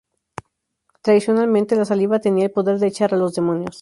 Tradicionalmente, la saliva tenía el poder de echar a los demonios.